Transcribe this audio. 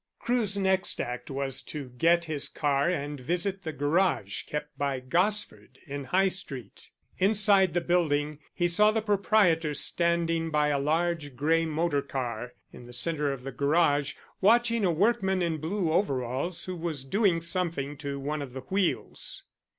Crewe's next act was to get his car and visit the garage kept by Gosford in High Street. Inside the building he saw the proprietor standing by a large grey motor car in the centre of the garage, watching a workman in blue overalls who was doing something to one of the wheels.